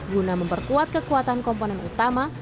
guna memperkuat kekuatan komponen utama